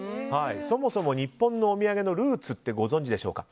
そもそも日本のお土産のルーツってご存知でしょうか。